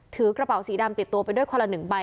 ถือกระเป๋าสีดำติดตัวไปด้วยคนละ๑ใบ